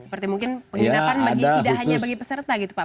seperti mungkin penginapan tidak hanya bagi peserta gitu pak